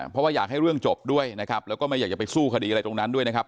เพราะว่าอยากให้เรื่องจบด้วยนะครับแล้วก็ไม่อยากจะไปสู้คดีอะไรตรงนั้นด้วยนะครับ